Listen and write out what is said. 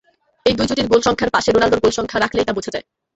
এই দুই জুটির গোলসংখ্যার পাশে রোনালদোর গোলসংখ্যা রাখলেই তা বোঝা যায়।